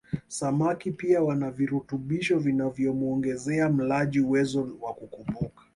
Samaki pia wana virutubisho vinavyomuongezea mlaji uwezo wa kukumbuka